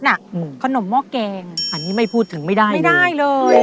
ขนมหม้อแกงอันนี้ไม่พูดถึงไม่ได้ไม่ได้เลย